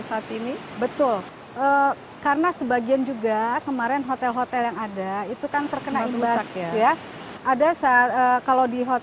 saat ini betul karena sebagian juga kemarin hotel hotel yang ada itu kan terkena ibas ya ada